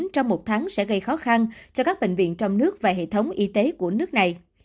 trong một tháng sẽ gây khó khăn cho các bệnh viện trong nước và hệ thống y tế của nước này